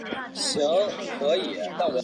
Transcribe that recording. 贞观四年复置。